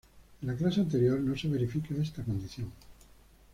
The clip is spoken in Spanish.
En la clase anterior no se verifica esta condición.